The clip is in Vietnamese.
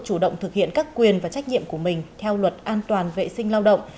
chủ động thực hiện các quyền và trách nhiệm của mình theo luật an toàn vệ sinh lao động